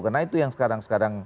karena itu yang sekarang sekarang